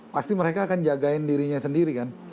pasti mereka akan jagain dirinya sendiri kan